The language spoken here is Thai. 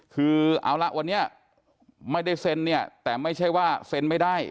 คือเอาละวันนี้ไม่ได้เซ็นเนี่ยแต่ไม่ใช่ว่าเซ็นไม่ได้